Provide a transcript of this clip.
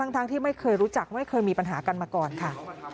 ทั้งที่ไม่เคยรู้จักไม่เคยมีปัญหากันมาก่อนค่ะ